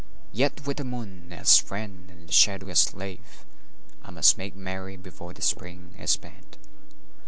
Yet with the moon as friend and the shadow as slave I must make merry before the Spring is spent.